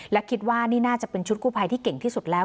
และคิดว่านี่น่าจะเป็นชุดกู้ภัยที่เก่งที่สุดแล้ว